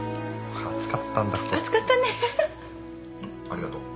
ありがとう